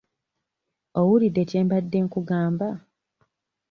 Owulidde kye mbadde nkugamba?